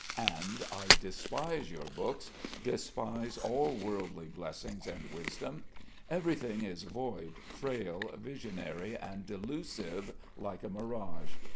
"And I despise your books, despise all wordly blessings and wisdom. Everything is void, frail, visionary and delusive like a mirage.